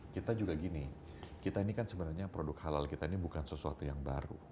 kita juga gini kita ini kan sebenarnya produk halal kita ini bukan sesuatu yang baru